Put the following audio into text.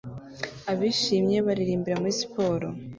Abishimye baririmbira muri siporo